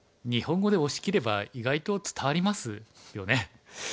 日本語で押し切れば意外と伝わりますよね。